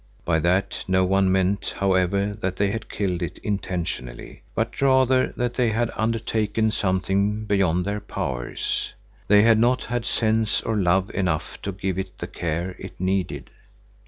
By that no one meant, however, that they had killed it intentionally, but rather that they had undertaken something beyond their powers. They had not had sense or love enough to give it the care it needed.